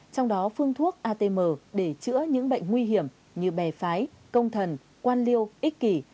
trong đó phun thuốc atm để chữa những bệnh nguy hiểm như bè phái công thần quan liêu ích kỳ